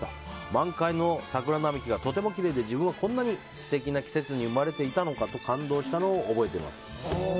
満開の桜並木がとてもきれいで自分はこんなに素敵な季節に生まれていたのかと感動したのを覚えています。